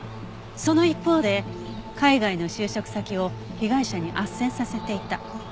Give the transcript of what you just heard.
その一方で海外の就職先を被害者に斡旋させていた。